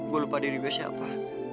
gue lupa diri gue siapa